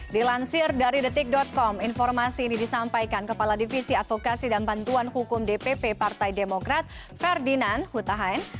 dilansir dari detik com informasi ini disampaikan kepala divisi advokasi dan bantuan hukum dpp partai demokrat ferdinand hutahan